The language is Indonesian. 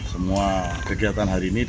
semua kegiatan harianya